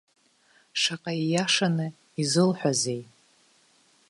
Шаҟа ииашаны изылҳәазеи.